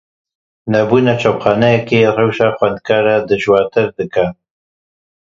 Nebûna çapxaneyekê rewşa xwendekaran dijwartir dike.